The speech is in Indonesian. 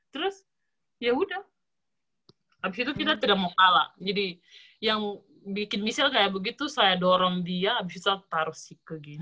terus ya udah abis itu kita tidak mau kalah jadi yang bikin michelle kayak begitu saya dorong dia abis itu saya taruh si ke gini